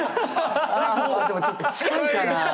でもちょっと近いかな。